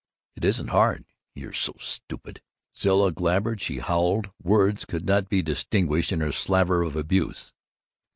It isn't hard. You're so stupid." Zilla gibbered; she howled; words could not be distinguished in her slaver of abuse.